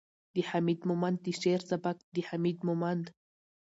، د حميد مومند د شعر سبک ،د حميد مومند